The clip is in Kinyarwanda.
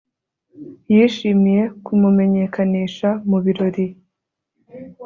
yishimiye kumumenyekanisha mu birori